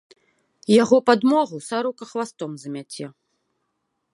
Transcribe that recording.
Яго падмогу сарока хвастом замяце.